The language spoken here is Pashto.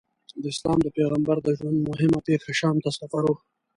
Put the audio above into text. د اسلام د پیغمبر د ژوند موهمه پېښه شام ته سفر و.